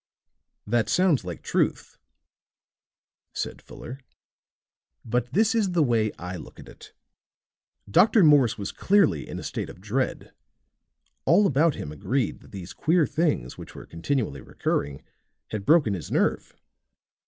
"That sounds like truth," said Fuller. "But this is the way I look at it. Dr. Morse was clearly in a state of dread; all about him agreed that these queer things, which were continually recurring, had broken his nerve.